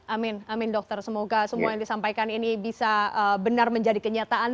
amin amin dokter semoga semua yang disampaikan ini bisa benar menjadi kenyataan